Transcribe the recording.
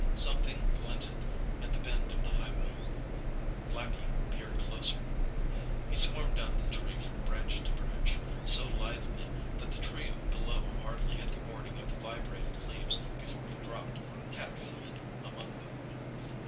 Something glinted at the bend of the highway. Blackie peered closer. He swarmed down the tree from branch to branch, so lithely that the trio below hardly had the warning of the vibrating leaves before he dropped, cat footed, among them.